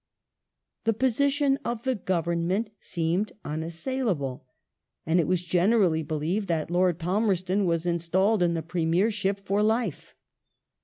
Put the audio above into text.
The position of the Govern ment seemed unassailable, and it was generally believed that Lord Palmerston was installed in the Premiership for life.